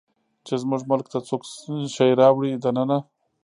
چې زموږ ملک ته څوک شی راوړي دننه